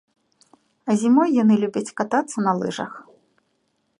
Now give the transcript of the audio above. А зімой яны любяць катацца на лыжах.